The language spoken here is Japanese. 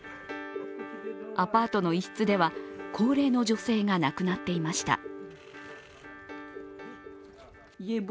アパートの一室では、高齢の女性が亡くなっていました。